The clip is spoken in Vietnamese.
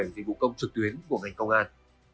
dịch vụ công trực tuyến của ngành công an